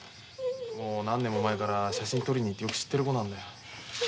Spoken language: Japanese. もう何年も前から写真撮りに行ってよく知ってる子なんだよ。